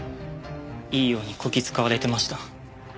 いいようにこき使われてました。